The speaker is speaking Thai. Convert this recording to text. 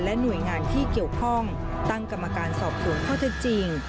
หน่วยงานที่เกี่ยวข้องตั้งกรรมการสอบสวนข้อเท็จจริง